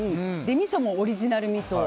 みそもオリジナルみそ。